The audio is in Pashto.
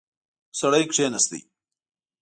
سړی کېناست.